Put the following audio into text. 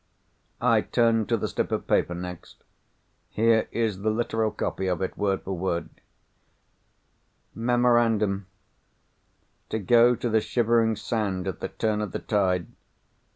I turned to the slip of paper next. Here is the literal copy of it, word for word: "Memorandum:—To go to the Shivering Sand at the turn of the tide.